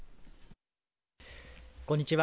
こんにちは。